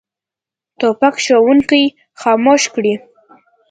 توپک ښوونکي خاموش کړي.